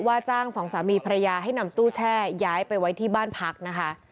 ว่าจ้างสองสามีภรรยาให้นำตู้แช่ย้ายไปไว้ที่บ้านพักนะคะ